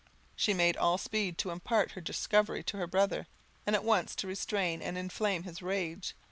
She made all speed to impart her discovery to her brother, and at once to restrain and inflame his rage.